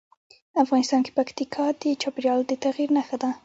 افغانستان کې پکتیکا د چاپېریال د تغیر نښه ده.